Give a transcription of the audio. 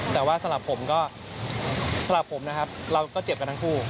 แต่ว่าสำหรับผมนะครับเราก็เจ็บกันทั้งคู่